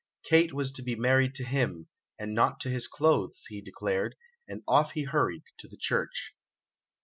Kate was to be married to him, and not to his clothes, he declared, and off he hurried to the church.